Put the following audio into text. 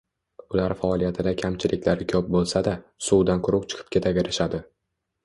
Ular faoliyatida kamchiliklari ko‘p bo‘lsa-da, suvdan quruq chiqib ketaverishadi.